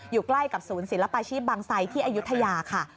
อยู่ใกล้กับศูนย์ศิลปาชีพบางไซที่อายุทยาค่ะ